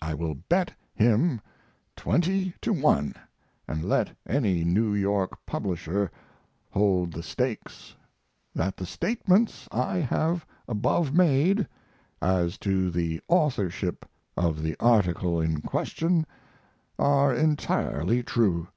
I will bet him twenty to one, and let any New York publisher hold the stakes, that the statements I have above made as to the authorship of the article in question are entirely true.